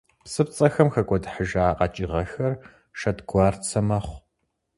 ПсыпцӀэхэм хэкӀуэдыхьыжа къэкӀыгъэхэр шэдгуарцэ мэхъу.